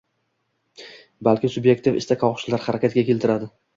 balki sub’ektiv istak-xohishlar harakatga keltiradi.